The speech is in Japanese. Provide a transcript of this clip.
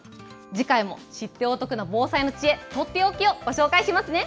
次回も知ってお得な防災の知恵、取って置きをご紹介しますね。